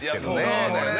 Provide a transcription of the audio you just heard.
そうだよね